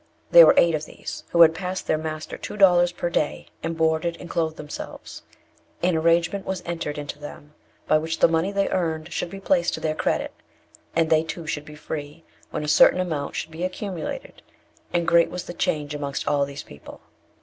There were eight of these, who had paid their master two dollars per day, and boarded and clothed themselves. An arrangement was entered into with them, by which the money they earned should be placed to their credit; and they too should be free, when a certain amount should be accumulated; and great was the change amongst all these people.